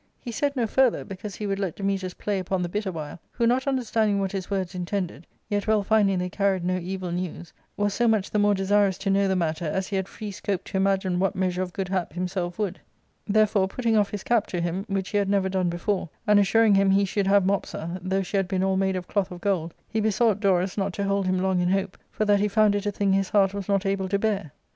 He said no further, because he would let Dametas play upon the bit a while, who not under standing what his words intended, yet well finding they car ried no evil news, was so much the more desirous to know the matter as he had free scope to imagine what measure of good hap himself would. Therefore, putting off his cap to * All'to bewonder — z>., exceedingly astonish her — see note, p. 182. 392 ARCADIA.^Book III. him, which he had never done before, and assuring him he should have Mopsa, though she had been all made of cloth of gold, he besought Dorus not to hold him long in hope, for that he found it a thing his heart was not able to bear.